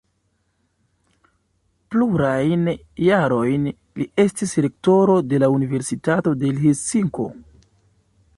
Plurajn jarojn li estis rektoro de la Universitato de Helsinko.